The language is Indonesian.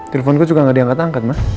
telepon gue juga gak diangkat angkat ma